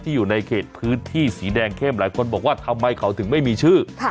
อยู่ในเขตพื้นที่สีแดงเข้มหลายคนบอกว่าทำไมเขาถึงไม่มีชื่อ